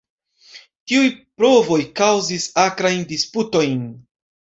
Tiuj provoj kaŭzis akrajn disputojn.